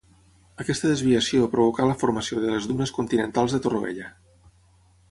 Aquesta desviació provocà la formació de les dunes continentals de Torroella.